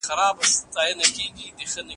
مور د ماشوم د لوبو اصول ښيي.